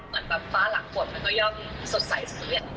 มันกลับฟ้าหลังกดมันก็ยอมสดใสเสีย